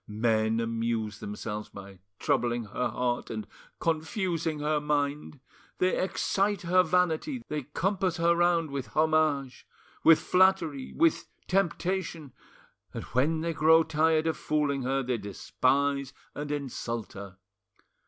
Men amuse themselves by troubling her heart and confusing her mind; they excite her vanity, they compass her round with homage, with flattery, with temptation, and when they grow tired of fooling her, they despise and insult her.